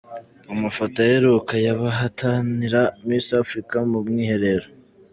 Amafoto aheruka y’abahatanira Miss Africa mu mwiherero.